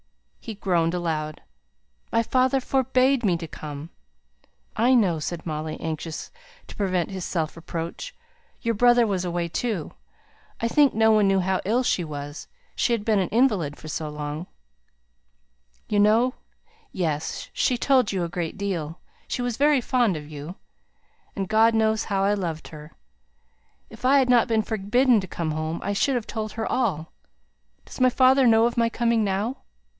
He groaned aloud. "My father forbade me to come." "I know!" said Molly, anxious to prevent his self reproach. "Your brother was away, too. I think no one knew how ill she was she had been an invalid for so long." "You know Yes! she told you a great deal she was very fond of you. And God knows how I loved her. If I had not been forbidden to come home, I should have told her all. Does my father know of my coming now?"